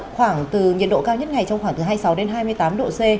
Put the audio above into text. khoảng từ nhiệt độ cao nhất ngày trong khoảng hai mươi sáu hai mươi tám độ c